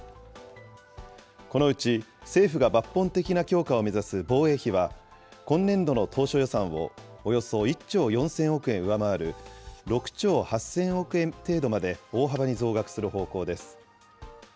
このうち政府が抜本的な強化を目指す防衛費は、今年度の当初予算をおよそ１兆４０００億円上回る、６兆８０００億円程度まで大幅に増額する方向です。